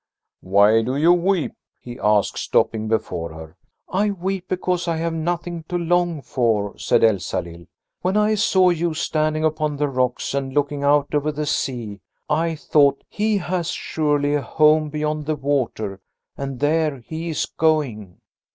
"Why do you weep?" he asked, stopping before her. "I weep because I have nothing to long for," said Elsalill. "When I saw you standing upon the rocks and looking out over the sea, I thought: 'He has surely a home beyond the water, and there he is going.'"